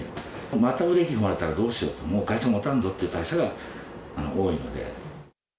またブレーキ踏まれたらどうしようと、もう会社もたんぞという会社が多いので。